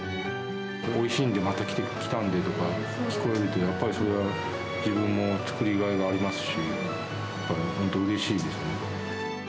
おいしいんで、また来たんでとか聞こえるとやっぱりそれは自分も作りがいがありますし、やっぱり本当、うれしいですね。